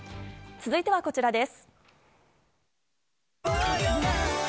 続いてはこちらです。